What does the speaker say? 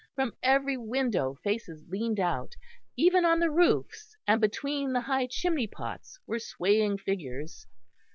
From every window faces leaned out; even on the roofs and between the high chimney pots were swaying figures.